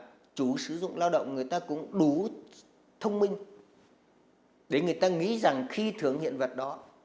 tôi tin rằng là chú sử dụng lao động người ta cũng đủ thông minh để người ta nghĩ rằng khi thưởng hiện vật đó